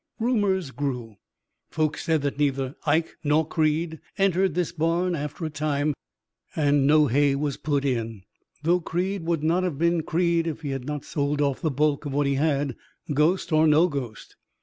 "Rumors grew. Folks said that neither Ike nor Creed entered this barn after a time, and no hay was put in, though Creed would not have been Creed if he had not sold off the bulk of what he had, ghost or no ghost.